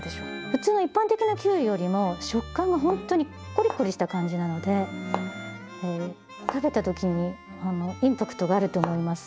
普通の一般的なキュウリよりも食感がほんとにコリコリした感じなので食べた時にインパクトがあると思います。